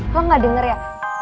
lo ga denger ya